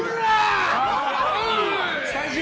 スタジオ